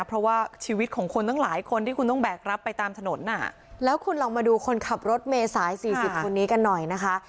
เพราะว่าชีวิตของคนตั้งหลายคนที่คุณต้องแบกรับไปตามถนนอ่ะแล้วคุณลองมาดูคนขับรถเมษายสี่สิบคนนี้กันหน่อยนะคะ